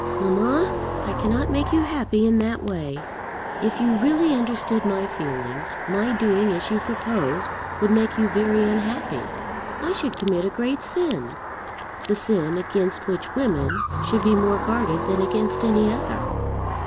"Mamma, I cannot make you happy in that way. If you really understood my feelings, my doing as you propose would make you very unhappy. I should commit a great sin, the sin against which women should be more guarded than against any other.